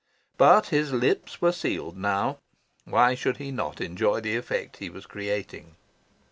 But his lips were sealed now. Why should he not enjoy the effect he was creating?